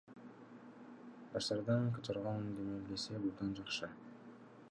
Жаштардын которгон демилгеси абдан жакшы.